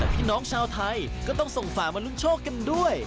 พี่น้องชาวไทยก็ต้องส่งฝามาลุ้นโชคกันด้วย